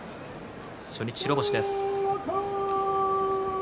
初日白星です。